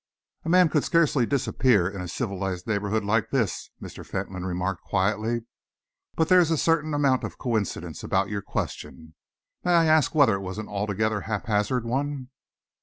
"A man could scarcely disappear in a civilised neighbourhood like this," Mr. Fentolin remarked quietly, "but there is a certain amount of coincidence about your question. May I ask whether it was altogether a haphazard one?"